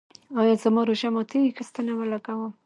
ایا زما روژه ماتیږي که ستنه ولګوم؟